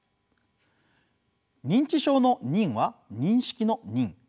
認知症の認は認識の認。